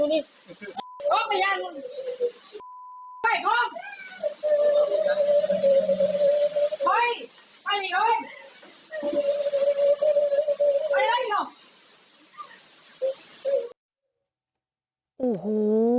โอ้โห